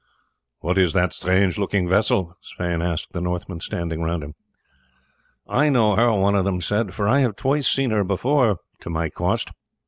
"What is that strange looking vessel?" Sweyn asked the Northmen standing round him. "I know her," one of them said, "for I have twice seen her before to my cost.